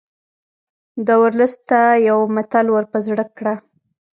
ده ورلسټ ته یو متل ور په زړه کړ.